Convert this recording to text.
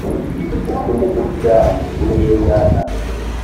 kuki ndi gutya buriya ra